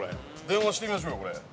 電話してみましょうや、これ。